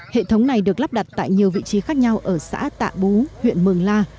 hệ thống này được lắp đặt tại nhiều vị trí khác nhau ở xã tạ bú huyện mường la